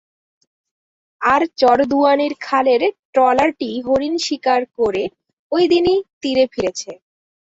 আর চরদুয়ানীর খালের ট্রলারটি হরিণ শিকার করে ওই দিনই তীরে ফিরেছে।